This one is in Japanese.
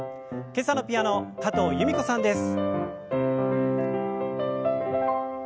今朝のピアノ加藤由美子さんです。